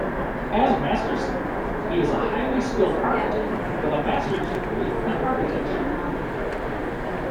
As Masterson, he is a highly skilled architect, with a master's degree in architecture.